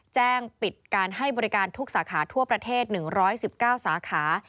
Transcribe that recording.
แจ้งปิดการให้บริการทุกสาขาทั่วประเทศ๑๑๙สาขา